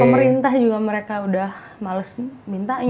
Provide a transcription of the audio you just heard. pemerintah juga mereka udah males minta